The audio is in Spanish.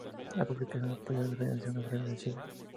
La publicación apoyó a la Federación Obrera de Chile.